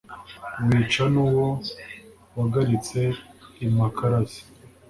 wica n'uwo wagaritse i makaraza